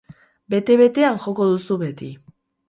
Bete-betean joko duzu beti.